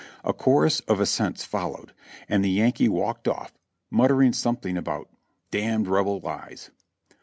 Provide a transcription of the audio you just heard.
A chorus of assents followed, and the Yankee walked ofif, muttering something about "d Rebel lies."